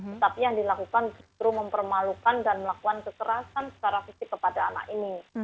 tetapi yang dilakukan justru mempermalukan dan melakukan kekerasan secara fisik kepada anak ini